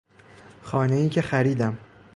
خانهای که خریدم